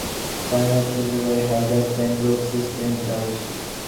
Funeral services were held at Saint Luke's Episcopal Church.